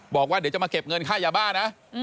บอกว่าเดี๋ยวจะมาเก็บเงินค่ายาบ้านะ